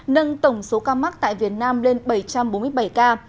nâng tổng số ca mắc tại việt nam lên bảy trăm bốn mươi bảy ca